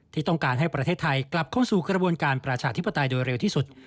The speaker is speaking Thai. ที่ต้องการให้ประเทศไทยกลับเข้าสู่กระบวนการประชาธิปไตยโดยเร็วที่สุด